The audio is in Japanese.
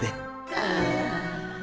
ああ。